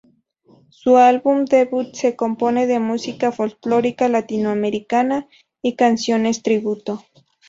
Su álbum debut se compone de música folklórica latinoamericana y canciones tributo.